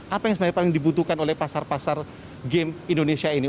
apa yang sebenarnya paling dibutuhkan oleh pasar pasar game indonesia ini